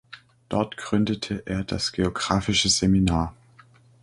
Dort gründete er das Geographische Seminar.